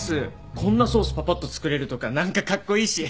こんなソースパパッと作れるとか何かカッコイイし。